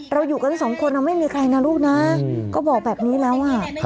อยู่กันสองคนไม่มีใครนะลูกนะก็บอกแบบนี้แล้ว